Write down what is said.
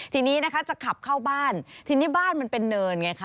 ทีนี้นะคะจะขับเข้าบ้านทีนี้บ้านมันเป็นเนินไงคะ